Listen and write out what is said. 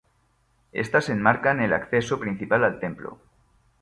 Estas enmarcan el acceso principal al templo.